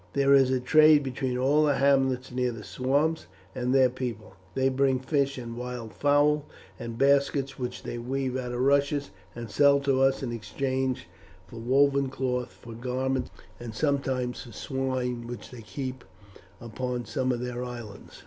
There is trade between all the hamlets near the swamps and their people; they bring fish and wildfowl, and baskets which they weave out of rushes, and sell to us in exchange for woven cloth, for garments, and sometimes for swine which they keep upon some of their islands.